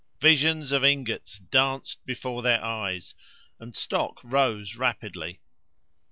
"Visions of ingots danced before their eyes," and stock rose rapidly.